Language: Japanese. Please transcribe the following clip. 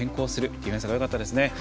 ディフェンスがよかったですね。